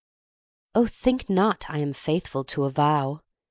OH, THINK not I am faithful to a vow!